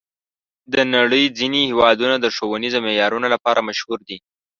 د نړۍ ځینې هېوادونه د ښوونیزو معیارونو لپاره مشهور دي.